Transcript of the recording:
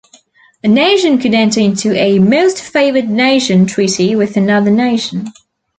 A nation could enter into a "most favored nation" treaty with another nation.